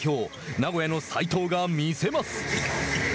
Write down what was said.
名古屋の齋藤が見せます。